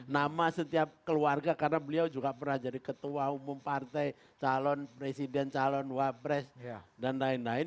nama setiap keluarga karena beliau juga pernah jadi ketua umum partai calon presiden calon wapres dan lain lain